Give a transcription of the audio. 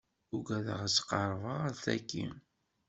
Ugadeɣ ad qerbeɣ ad tagi.